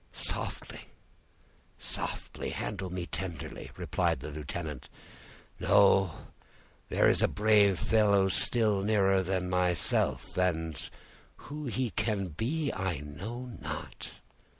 "Softly, softly; handle me tenderly," replied the lieutenant. "No, there is a brave fellow still nearer than myself, and who he can be I know not.